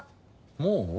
もう？